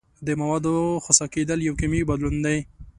د موادو خسا کیدل یو کیمیاوي بدلون دی.